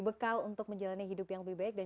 bekal untuk menjalani hidup yang lebih baik dan